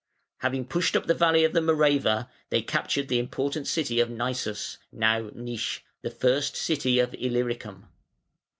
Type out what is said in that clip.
] Having pushed up the valley of the Morava, they captured the important city of Naissus (now Nisch), "the first city of Illyricum".